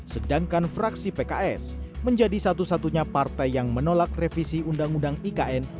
sedangkan fraksi pks menjadi satu satunya partai yang menolak revisi undang undang ikn